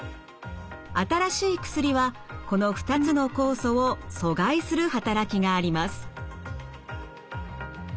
新しい薬はこの２つの酵素を阻害する働きがあります。